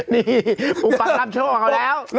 นี่อุปัติรับโชคเขาแล้ว